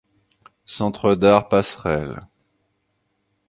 Centre d'art Passerelle.